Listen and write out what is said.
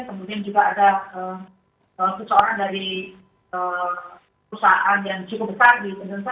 kemudian juga ada seseorang dari perusahaan yang cukup besar di indonesia